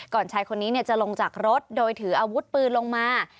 ชายคนนี้จะลงจากรถโดยถืออาวุธปืนลงมา